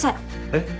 えっ？